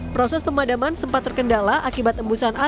proses pemadaman sempat terkendala akibat embusan air